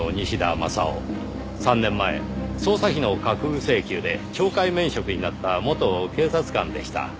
３年前捜査費の架空請求で懲戒免職になった元警察官でした。